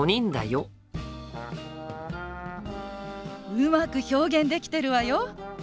うまく表現できてるわよ！